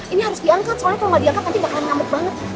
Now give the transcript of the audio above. ini harus diangkat soalnya kalau nggak diangkat nanti bakalan ngamuk banget